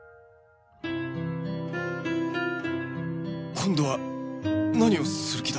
今度は何をする気だ？